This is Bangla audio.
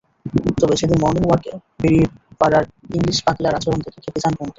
তবে সেদিন মর্নিংওয়াকে বেরিয়ে পাড়ার ইংলিশ পাগলার আচরণ দেখে খেপে যান বোমকেশ।